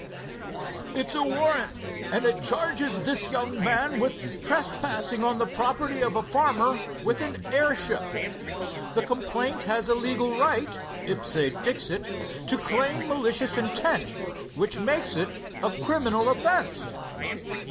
"It's a warrant, and it charges this young man with trespassing on the property of a farmer with an airship. The complainant has a legal right, ipse dixit, to claim malicious intent, which makes it a criminal offense."